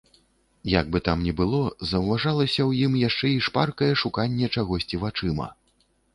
Як бы там ні было, заўважалася ў ім яшчэ і шпаркае шуканне чагосьці вачыма.